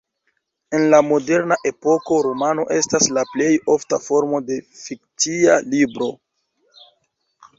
En la moderna epoko romano estas la plej ofta formo de fikcia libro.